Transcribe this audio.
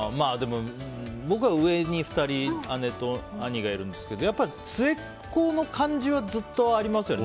僕は上に２人姉と兄がいるんですけどやっぱり、末っ子の感じはずっとありますよね。